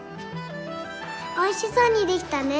おいしそうにできたね。